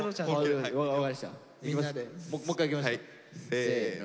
せの。